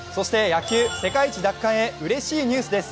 野球、世界一奪還へうれしいニュースです。